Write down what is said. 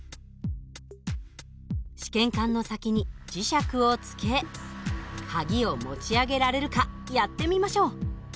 試験管の先に磁石をつけ鍵を持ち上げられるかやってみましょう。